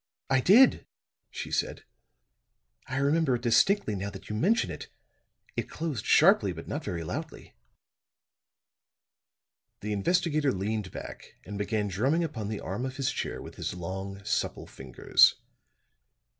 "I did," she said. "I remember it distinctly now that you mention it. It closed sharply, but not very loudly." The investigator leaned back and began drumming upon the arm of his chair with his long supple fingers.